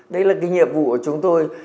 đấy là cái nhiệm vụ của chúng tôi